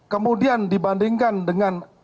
kemudian dibandingkan dengan